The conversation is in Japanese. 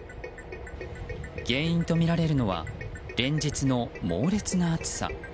原因とみられるのは連日の猛烈な暑さ。